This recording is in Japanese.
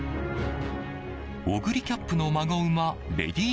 オグリキャップの孫馬レディ